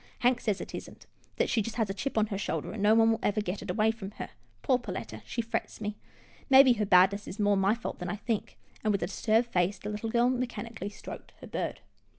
Hank says it isn't, that she has a chip on her shoulder, and no one will ever get it away from her. Poor Perletta — she frets me. Maybe her badness is more my fault than I think," and, with a disturbed face, the little girl mechanically stroked her bird.